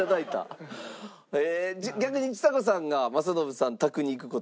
逆にちさ子さんが政伸さん宅に行く事は？